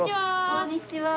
こんにちは。